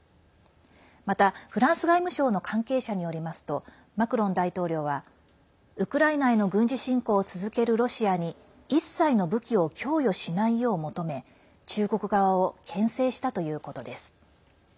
また、フランス外務省の関係者によりますとマクロン大統領はウクライナへの軍事侵攻を続けるロシアに一切の武器を供与しないよう求め中国側をけん制したということです。